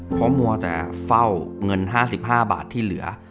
เพราะมัวแต่เฝ้าเงิน๕๕บาทที่เหลือ